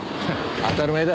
当たり前だ。